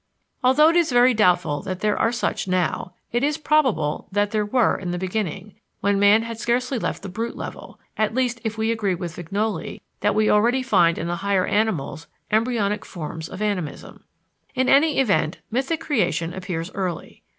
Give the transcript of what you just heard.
Although it is very doubtful that there are such now, it is probable that there were in the beginning, when man had scarcely left the brute level at least if we agree with Vignoli that we already find in the higher animals embryonic forms of animism. In any event, mythic creation appears early.